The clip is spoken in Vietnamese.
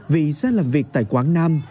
vì sẽ làm việc tại quảng nam